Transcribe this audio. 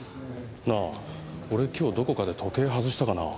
なあ俺今日どこかで時計外したかな？